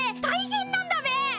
大変なんだべ！